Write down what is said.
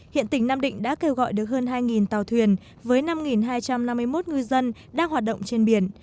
hiện tỉnh nam định đã kêu gọi được hơn hai tàu thuyền với năm hai trăm năm mươi một ngư dân đang hoạt động trên biển